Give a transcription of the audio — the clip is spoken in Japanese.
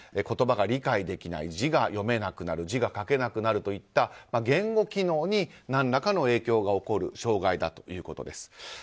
言葉が理解できない字が読めなくなる字が書けなくなるといった言語機能に何らかの影響が起こる障害だということです。